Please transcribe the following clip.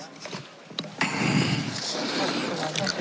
ขอบคุณครับ